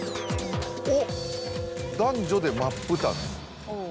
おっ男女で真っ二つ。